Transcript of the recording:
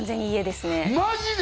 マジで！？